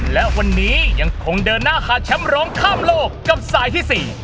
และวันนี้ยังคงเดินหน้าขาดแชมป์ร้องข้ามโลกกับสายที่๔